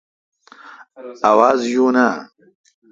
آواز یوین اؘ